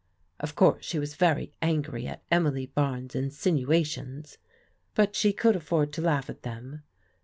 Of course she was very angry at Emily Barnes' insinu ations, but she could afford to laugh at them.